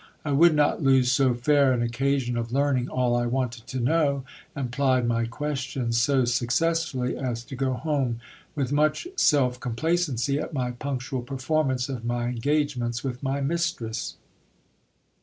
I would not lose so fair an oc casion of learning all I wanted to know, and plied my questions so successfully as to go home with much self complacency, at my punctual performance of my engagements with my mistress.